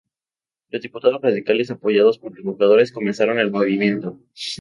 Los diputados radicales apoyados por trabajadores comenzaron el movimiento.